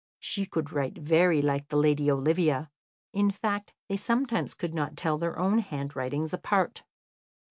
She could write very like the lady Olivia; in fact, they sometimes could not tell their own handwritings apart.